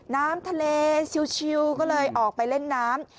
น้ำทะเลชิวก็เลยออกไปเล่นน้ำ